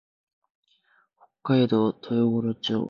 北海道豊頃町